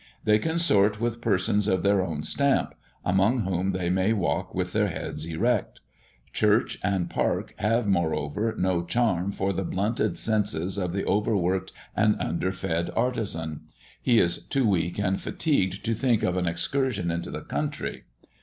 They consort with persons of their own stamp, among whom they may walk with their heads erect. Church and park have moreover no charm for the blunted senses of the overworked and under fed artizan. He is too weak and fatigued to think of an excursion into the country.